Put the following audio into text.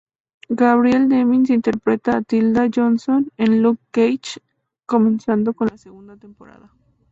Gabrielle Dennis interpreta a Tilda Johnson en "Luke Cage",comenzando con la segunda temporada.